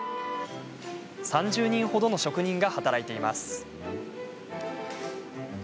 ３０人ほどの職人が働いています。